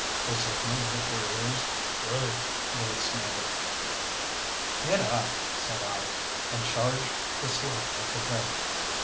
they signalled with their ears. "Ugh!" they snorted. "Get up!" said I; and charged the slope of the hill.